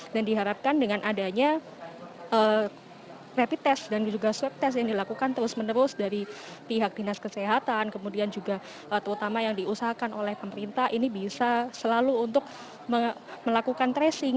dan diharapkan dengan adanya rapi tes dan juga swab tes yang dilakukan terus menerus dari pihak dinas kesehatan kemudian juga terutama yang diusahakan oleh pemerintah ini bisa selalu untuk melakukan tracing